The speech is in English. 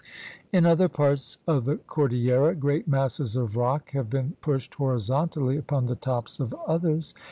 In other parts of the cordillera great masses of rock have been pushed horizontally upon the tops of others.